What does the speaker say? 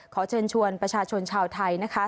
ขอเชิญชวนประชาชนชาวไทยนะคะ